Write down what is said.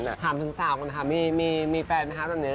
ถามถึงสามคำถามมีแปลกไหมครับตอนนี้